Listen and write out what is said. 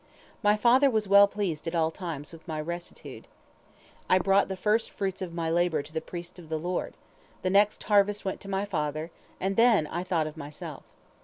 My father was well pleased at all times with my rectitude. If my work was crowned with good results, I brought the firstfruits of my labor to the priest of the Lord, the next harvest went to my father, and then I thought of myself.